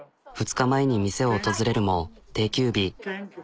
２日前に店を訪れるも定休日。